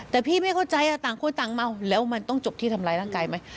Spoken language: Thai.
แต่พี่ไม่เข้าใจต่างคนต่างเมาแล้วมันต้องจบที่ทำร้ายร่างกายไหม